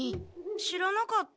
知らなかった。